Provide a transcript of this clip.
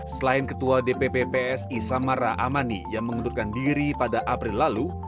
selain ketua dpp psi samara amani yang mengundurkan diri pada april lalu